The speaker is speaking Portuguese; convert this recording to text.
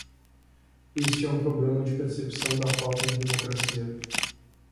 Este é um problema de percepção da falta de democracia.